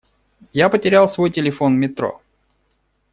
Я потерял свой телефон в метро.